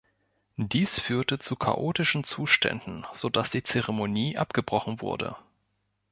Dies führte zu chaotischen Zuständen, so dass die Zeremonie abgebrochen wurde.